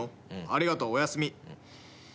ありがとうおやすみ。